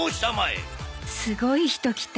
すごい人来た